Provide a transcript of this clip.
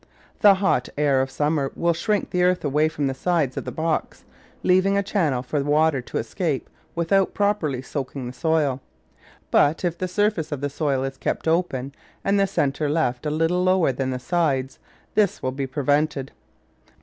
The hot air of summer will shrink the earth away from the sides of the box, leaving a channel for the water to escape without properly soaking the soil; but if the surface of the soil is kept open, and the centre left a little lower than the sides, this will be prevented.